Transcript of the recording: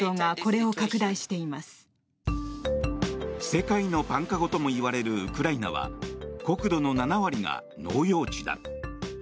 世界のパン籠ともいわれるウクライナは国土の７割が農用地だ。